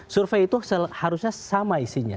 survei itu seharusnya sama isinya